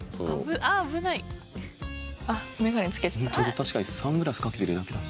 確かにサングラスかけてるだけだな。